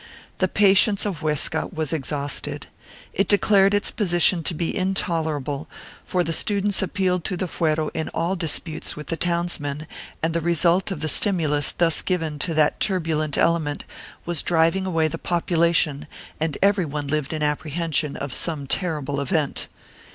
The patience of Huesca was exhausted. It declared its position to be intolerable, for the students appealed to the fuero in all disputes with the townsmen, and the result of the stimulus thus given to that turbulent element was driving away the population and every one lived in apprehension of some terrible event.